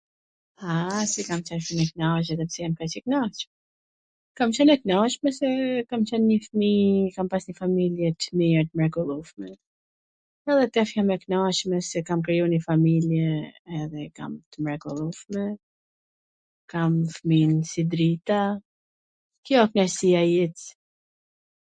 aaa, si kam qwn shum e knaqme edhe pse jam kaq e knaq? Kam qwn e knaqme se kam qwn njw fmiiii ... kam pas njw familje t mir t mrekullushme, edhe tash jam e knaqme se kam kriju nji familje edhe e kam t mrekullushme, kam fmijn si drita... kjo w knaqsia e jets